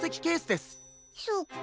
そっか。